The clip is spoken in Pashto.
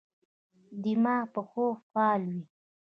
دماغ په خوب فعال وي.